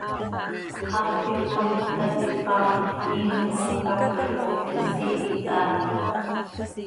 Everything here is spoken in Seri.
Hap ipot itac quih hpaafc, iinepoj quih hapx ihpooh, ihsiihit haa hi.